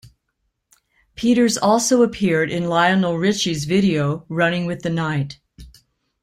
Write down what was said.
Peters also appeared in Lionel Richie's video "Running With The Night".